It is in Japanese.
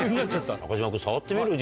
中島君触ってみる？